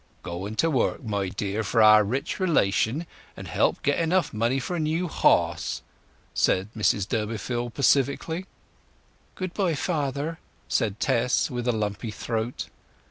"Going to work, my dears, for our rich relation, and help get enough money for a new horse," said Mrs Durbeyfield pacifically. "Goodbye, father," said Tess, with a lumpy throat.